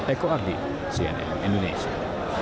eko ardi cnn indonesia